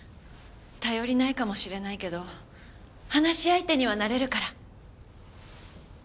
頼りないかもしれないけど話し相手にはなれるから。